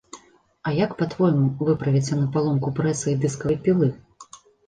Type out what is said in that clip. А як па-твойму, выправяць яны паломку прэса і дыскавай пілы?